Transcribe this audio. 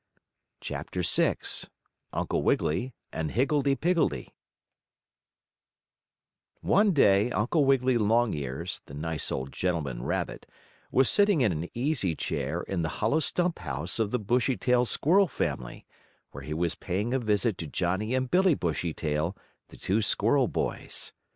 CHAPTER VI UNCLE WIGGILY AND HIGGLEDEE PIGGLEDEE One day Uncle Wiggily Longears, the nice old gentleman rabbit, was sitting in an easy chair in the hollow stump house of the Bushytail squirrel family, where he was paying a visit to Johnnie and Billie Bushytail, the two squirrel boys.